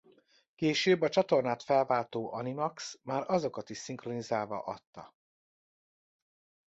Később a csatornát felváltó Animax már azokat is szinkronizálva adta.